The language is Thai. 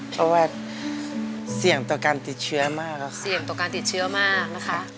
เพราะว่าเสี่ยงต่อการติดเชื้อมากค่ะเสี่ยงต่อการติดเชื้อมากนะคะ